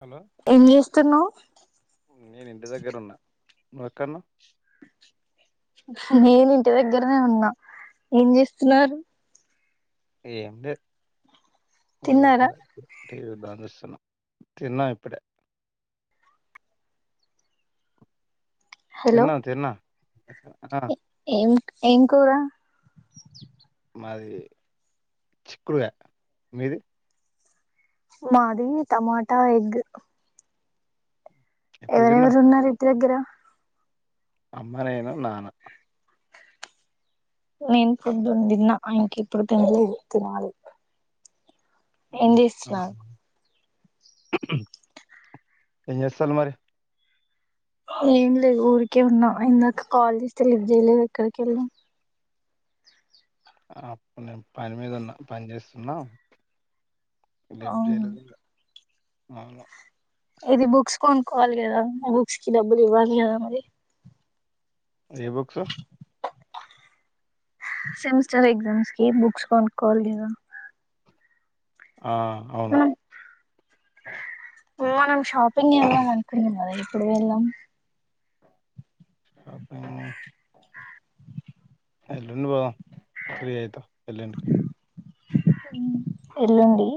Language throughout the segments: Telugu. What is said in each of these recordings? హలో ఏం చేస్తున్నావు నేను ఇంటి దగ్గరు ఉన్న నువ్ ఎక్కడ ఉన్నావ్ నేను ఇంటి దగ్గరనే ఉన్నా ఏం చేస్తున్నారు ఏం లే ఉరికే తిన్నారా అలా టీ దా చూస్తున తిన్నా ఇప్పుడే హలో తిన్నా తిన్నా ఆ ఏం ఏం కూరా మాది చికూడ్కాయ మీది మాది టమాటా ఎగ్ ఎప్పుడు తిన్నావ్ ఎవరెవరు ఉన్నారు ఇంటి దగ్గర అమ్మ నేను నాన్న నేను పొద్దున్న తిన్నా ఇంక ఇప్పుడు తినలేదు తినాలి ఏం ఉమ్ ఆ చేస్తున్నారు ఏం చేస్తూరు మరి ఏం లేదు ఊరికే ఉన్నా ఇందాక కాల్ చేస్తే లిఫ్ట్ చేయలేదు ఎక్కడికి వెళ్ళావ్ అప్పుడు నేను పని మీద ఉన్నా పని చేస్తున్నా లిప్ట్ అవునా జేయలేదు ఇగ అవును ఏది బుక్స్ కొనుక్కోవాలి కదా బుక్స్ కి డబ్బులు ఇవ్వాలి కదా మరి ఏ బుక్స్ సెమిస్టర్ ఎగ్జామ్స్ కి బుక్స్ కొనుక్కొవాలికద ఆ అవును మనం షాపింగ్ వెళ్దాం అనుకున్నాం కదా ఎప్పుడు వెల్దాం షాపింగ్ ఎల్లుండి పోదాం ఫ్రీ అయిత ఎల్లుండి ఎల్లుండి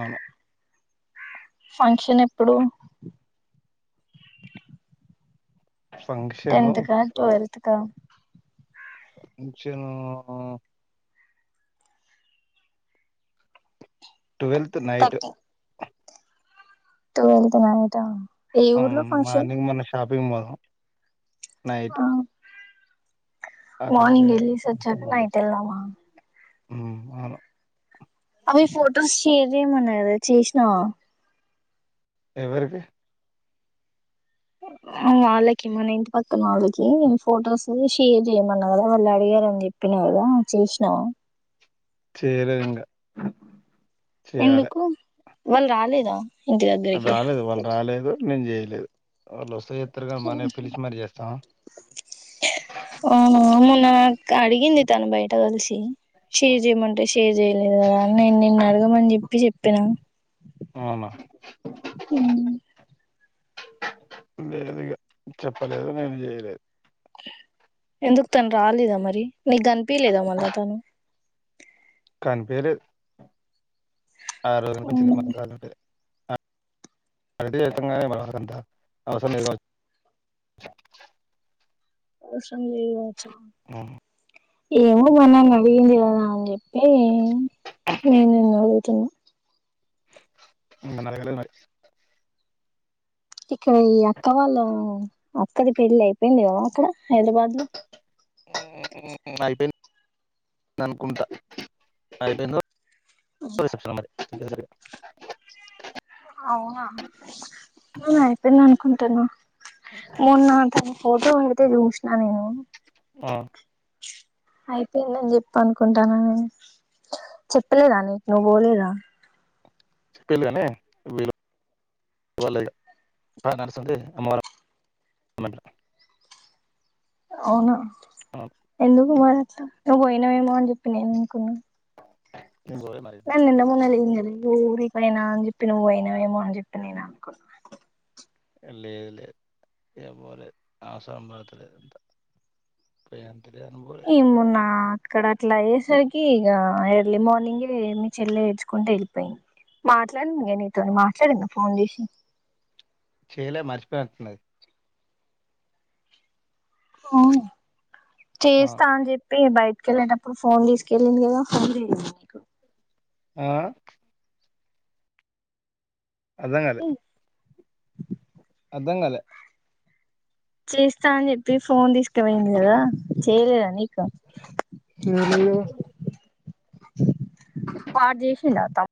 అవును ఫంక్షన్ ఎప్పుడు ఫంక్షన్ టెన్త్ కా ట్వెల్త్ కా ఫంక్షన్ ను ట్వెల్త్ నైట్ ట్వల్త్ నైటా ఏ అవును ఊర్లో ఫంక్షన్ మార్నింగ్ మనం షాపింగ్ పోదాం నైట్ ఆ అక్కడికి మార్నింగ్ వెళ్ళేసి వచ్చాక నైట్ వెల్దామా ఉ అవును అవి ఫొటోస్ షేర్ చేయమన్నా కదా చేసినావా ఎవరికి ఉ వాళ్ళకి మన ఇంటి పక్కన వాళ్ళకి ఫొటోస్ షేర్ చేయమన్నా కదా వాళ్ళు అడిగారని చెప్పి కదా చేసినావా చేయలేదు ఇంగా చేయాలి ఎందుకు వాళ్ళు రాలేదా ఇంటి దగ్గరికి రాలేదు వాళ్ళు రాలేదు నేను చేయలేదు వాళ్ళు వస్తే చెత్తరు కానీ మనమే ఉహు పిలిచి మరి చేస్తామా అవునా మొన్న అక్క అడిగింది తను బయట కలిసి షేర్ చేయమంటే షేర్ చేయలేదు కదా అని నేను నిన్న అడగమని చెప్పి చెప్పిన అవునా లేదిక చెప్పలేదు నేను చేయలేదు ఎందుకు తను రాలేదా మరి నీకు కనిపిలేదా మళ్ళా తను కనిపిలేదు ఆ రోజు నుంచి అవును మళ్ళ రానే లేదు [inaudible] మనకంతా అసరం లేదు అవసరం లేదు కావచ్చు ఉమ్, ఏమో మొన్న అడిగింది కదా అని చెప్పి నేను నిన్ను అడుగుతున్నా నన్ను అడగలేదు మరి ఇక్కడ ఈ అక్క వాళ్ళ అక్కది పెళ్ళి అయిపోయింది కదా అక్కడ హైదరాబాద్ లో అయిపోయింది అనుకుంటా అయిపోయిందో రిసెప్షన్ మరి [inaudible] అవునా నేను అవును అయిపోయింది అనుకుంటున్నా మొన్న తను ఫోటో పెడితే చూసిన నేను ఆ అయిపోయిందని చెప్పి అనుకుంటన్నా నేను చెప్పలేదా నీకు నువ్వు పోలేదా చెప్పిళ్ళు గాని వీలు పడల వాళ్ళే ఇగా తా నర్సాందే అమ్మవారా మెట్లా అవును ఎందుకు మరి అట్లా నువ్వు బోయినావేమో అని జేప్పి నీన్ ఉకున్నా. ఏం పోలే మరి నన్ నిన్న మొన్న లేన్ గా నీయురిక్ వోయినా అన్ జేప్పి నువ్వు వోయినావేమో అని జేప్పి నేన్ అనుకున్నా లేదలేద్ ఇగా బోలేద్ అవసరం పడ్తలేద్ అంత పోయామ్ ఇమూనా ఇక్కడ అట్లా అయేసరికి ఇగా ఎర్లీ మార్నింగే మీ చెల్లె ఏడ్చుకుంటా ఏళ్లపేయన్ మాట్లాడిదగా నీతోని మాట్లాడిదా ఫోన్ జేచి చేయలే మర్చిపోయినటున్నది. ఒహ్ అవును చేస్తాన్ జేప్ పి బయట్ కేళ్ళేటప్పుడు ఫోన్ దీసుకెళ్ళింది గదా. ఆఆ అర్ధగాలే అందగాలే చేస్తా అన్ జేప్పి ఫోన్ దిస్కబోయింది కదా చేయలేదా నీకు చేయలేగదా పాడ్ జేచ్చిండా అత్తా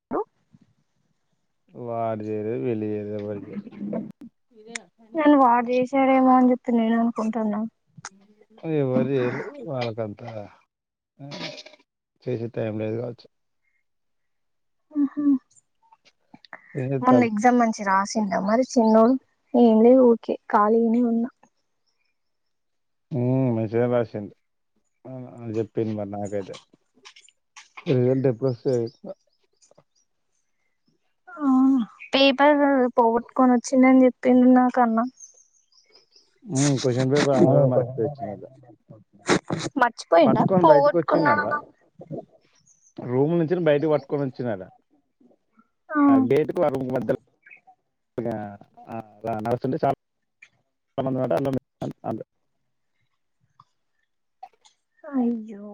వాడ్ దేరే వెళ్ళి వేరేవరికి నన్ వాడు జేచ్చాడేమో అని జేప్తే నేన్ అనుకుంటున్నా. ఎవర్ జేయరు వాళ్ళకంతా చేసే టైమ్ లేదు గవచ్చు. ఆహా ఏం మొన్న చేత్తాలు ఎగ్జామ్ మంచి రాసిండా మరీ చిన్నోడు. ఉహ్ మంచినే రాసిందు. అల్ జేప్పింద్ మరి నాకైతే రిజల్ట్ ఎప్పుడోసాయో ఇంకా ఆ పేపర్ పోగొట్టుకొని వచ్చిందిని చెప్పింది నాకన్న ఉమ్ క్వశ్చన్ పేపర్ ఆవ్ అందులో ఒక మర్చిపోయి నిమిషం టైం వచ్చిందట జేపొచ్చునే పట్టుకొని బయటకొచ్చిన్నాడా రూముల్ నిల్చురు బయటిక్ బట్టుకొని వచ్చిరాట ఆ గేట్కు ఆ రూమ్క్ మధ్యల్ ఇగా ఆ లా నడుస్తుంటే సాల్ సనమేడా ఆడమేడ్ అన్ అంగు అయ్యో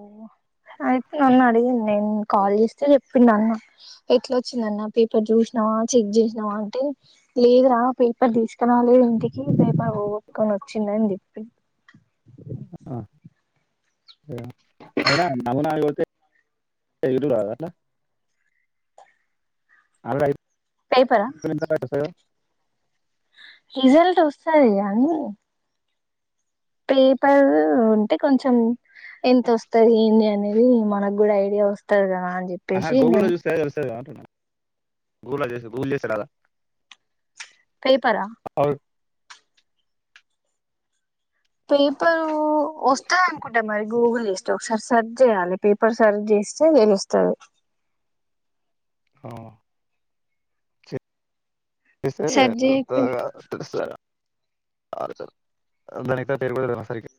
అయితే అన్ అడిగింద్ ఎన్ కాల్ జేస్తే జేప్పిండ్ అన్న ఎట్లా వచ్చిందన్న పేపర్ జూషనవా చెక్ జేషనవా అంటే లేదురా పేపర్ దిష్కరలేద్ ఇంటికి పేపర్ పోగొట్టుకొని వచ్చిందన్ జెప్పింద్ హైద్రావద్ నమూనాగోటే పెల్యూ రాదట్లా పేపరా ఫీలిందాటై వసయో రిజల్ట్ వసది గానీ పేపర్ ఉంటే కొంచెం ఎంత వస్తది ఏంది అనేది. మనగ్ గూడా ఐడియా వస్తద్ గదా అన్ జేప్పేసి నేన్. టదా అంటున్నా గూగుల జేసి గూగుల్ జేసే రాదా. పేపరా పేపరు వాసదనుకుంటా మర్ గూగుల్ ఇస్టో ఒకసార్ సర్జ్ జేయాలే పేపర్ సర్చ్ జేస్తే దెలుసది. హావా ఇసే సెర్చ్ అబ్దా చేయకపోయినా దిర్సె మనిద్దరం పేరు పెడందామా సరికి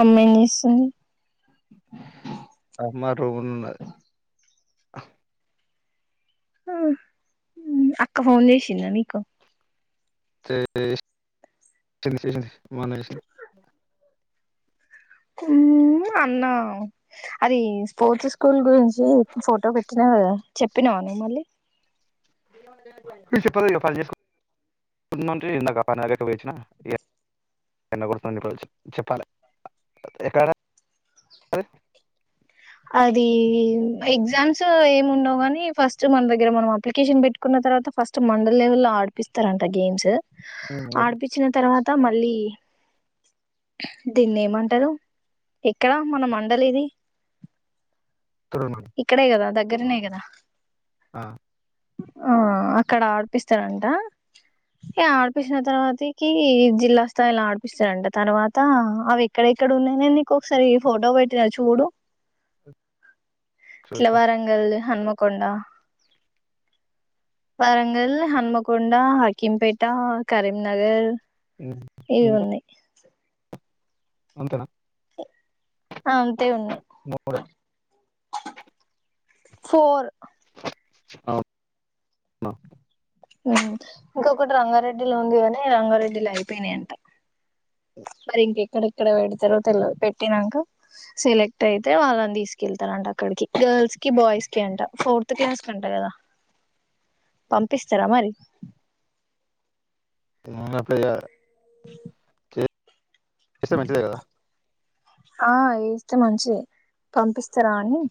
అమ్మేజేసుంది. అమ్మరు ఉన్నద్ ఆ అక్క ఫోన్ చేసిందా నీ? చే చేసింది మొన్న చేసింది ఉమ్ అన్నా అది స్పోర్ట్స్ స్కూల్ గురించి ఫోటో పెట్టిన గద చెప్పినవా? ఏ మళ్ళీ మీ చెప్పాలి కదా [unintelligible] నుంచి ఇందక పని ఆడదాకా పోయి అచ్చినా. ఎండ కొడతాంది చెప్పాలే ఎక్కడ స అది ఎగ్జామ్స్ ఏమి ఉండవు గని, ఫస్ట్ మన దగ్గర మనం అప్లికేషన్ పెట్టుకున్న తర్వాత ఫస్ట్ మండల్ లెవెల్ లో ఆడిపిస్తరంట గేమ్స్, ఆడిపిచ్చిన తర్వా త మళ్ళీ దీన్ని ఏమంటారు? ఎక్కడ మన మండలి ఇది? చూడండి. ఇక్కడే కదా దగ్గరనే కదా. ఆ ఆ అక్కడ ఆడిపిస్తరంట ఏ ఆడిపించిన తర్వాతికి జిల్లా స్థాయిలో ఆడిపిస్తరంట, తర్వాత అవి ఎక్కడ ఇక్కడ ఉన్నాయ నీకు ఒకసారి ఫోటో పెట్టినా చూడు. ఇట్ల చూస్తా వరంగల్ హనుమకొండ వరంగల్, హన్మకొండ, హకీంపేట, కరీంనగర్ ఇవి ఇంకా ఉన్నాయి. అంతేన ఆ అంతే ఉన్నయి మూడే ఫోర్ అవు న ఉమ్ ఇంకొకటి రంగారెడ్డిలో ఉంది కని రంగారెడ్డిలో అయిపోయినయంట అ మరి ఇంకెక్కడెక్కడ పెడతరో తెలవదు, పెట్టినంక సెలెక్ట్ అయితే వాళ్ళని తీసుకెళ్త రంట. అక్కడికి గర్ల్స్ కి బాయ్స్ కి అంట, ఫోర్త్ క్లాస్ కి అంట కదా. పంపిస్తరా మరి? ఉమ్ అంతేగ ఇస్తే మంచిదే కదా. ఆ ఏస్తే మంచిదే పంపిస్తారా అని.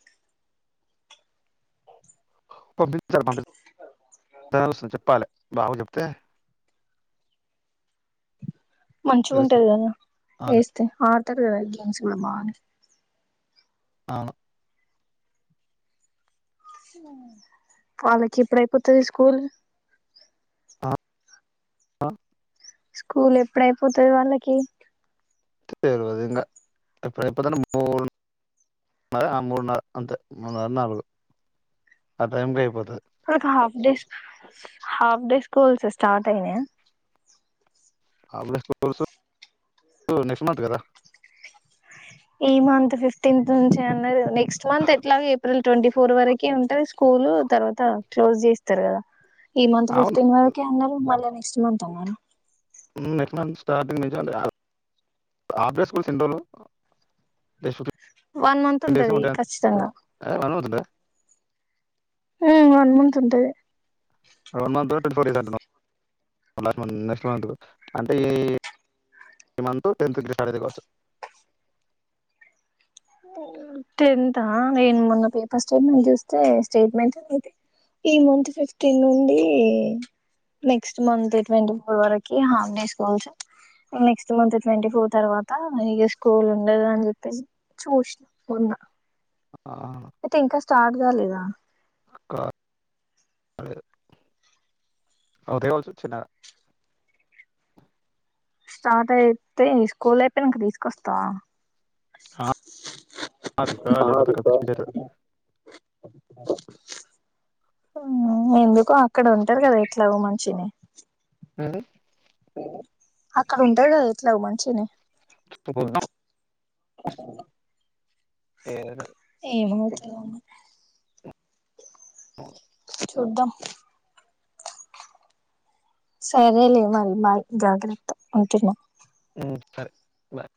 పంపించాలండి, చెప్పాలె బాగా చెప్తే మంచిగా ఉంటుది తెలుస్తుంది కదా అదే వేస్తే ఆడతారు కదా గేమ్స్ కూడా బాగానే అవును వాళ్ళకెప్పుడయిపోతది స్కూల్? అ స్కూల్ ఎప్పుడైపోతది వాళ్ళకి? తెలవది ఇంగ ఇప్పుడై పోతన్న పూల్ ఆ మూడున్నర అంతే మూడున్నర నాలుగు, ఆ టైం కయిపోతుంది నాక half days, half days schools start అయ్యాయ? ఆఫ్ స్కూల్స్ నెక్స్ట్ మంత్ కదా? ఈ మంత్ ఫిఫ్టీన్త్ నుంచి అన్నరు, నెక్స్ట్ మంత్ ఎట్లాగో ఏప్రిల్ ట్వంటీ ఫోర్ వరకి ఉంటది స్కూలు. తర్వాత క్లోజ్ చేస్తరు కదా. ఈ మంత్ అవును ఫిఫ్టీన్ వరకే అన్నరు, మళ్ళ నెక్స్ట్ మంత్ అన్నరు. నెకఉమ్ నెక్స్ట్ స్టార్టింగ్ నిజలే ఆఫ్ డే స్కూల్స్ ఎన్ని రోజులు? వన్ మంత్ టెన్ డేసే ఉంటది ఉంటాయంట ఖచ్చితంగా [unintelligible] ఉమ్ వన్ మంత్ ఉంటది. One month twenty four days అంటు లాట్ మంత్ నెక్స్ట్ మంత్ అంటే ఈ మంత్ టెన్త్ నుంచి స్టార్ట్ అవుతాది కావచ్చు టెన్ంతా నేను మొన్న పేపర్ స్టేట్మెంట్ చూస్తే స్టేట్మెంట్ అయి ఈ మంత్ ఫిఫ్టీన్ నుండి నెక్స్ట్ మంత్ ట్వంటీ ఫోర్ వరకి half day schools next month twenty four తర్వాత ఇ స్కూల్ ఉండదు అని చెప్పేసి చూసిన మొన్న ఆ అయితే ఇంకా స్టార్ట్ కాలేదా లేదు అద కాల్సి వచ్చిన్నారా స్టార్ట్ అయితే స్కూల్ అయిపోయి ఇంక తీసుకొస్తా ఆ, ఆ తీసుకురా హా లేకపోతే అక్కడ పిచ్చి పిచ్చి అయితది. ఎందుకు అక్కడ ఉంటారు కదా ఉంటారు కదా ఎట్లాగో మంచిగానే ఆ అక్కడ ఉంటాడుదా ఎట్లా మంచినే [inaudible] పస [inaudible] ఏమ అ చూద్దాం సరేలే మరి బాయ్ జాగ్రత్త ఉంటున్నా సరే బాయ్